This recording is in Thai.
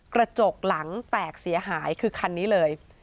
กระจกหลังแตกเสียหายคือคันนี้เลย